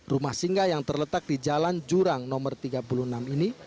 rumah singgah yang terletak di jalan jurang nomor tiga puluh enam ini